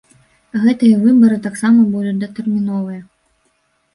Гэтыя выбары таксама будуць датэрміновыя.